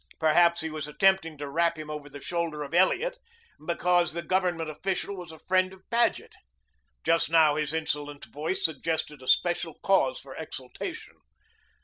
Perhaps he was attempting to rap him over the shoulder of Elliot because the Government official was a friend of Paget. Just now his insolent voice suggested a special cause for exultation.